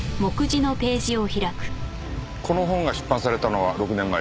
この本が出版されたのは６年前です。